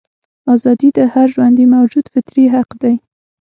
ازادي د هر ژوندي موجود فطري حق دی.